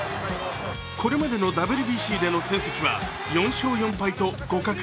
これまでのＷＢＣでの戦績は４勝４敗と互角。